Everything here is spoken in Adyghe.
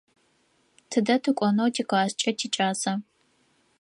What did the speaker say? Тыдэ тыкӏонэу тикласскӏэ тикӏаса?